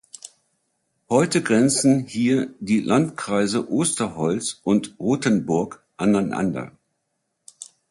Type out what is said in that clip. Heute grenzen hier die Landkreise Osterholz und Rotenburg aneinander.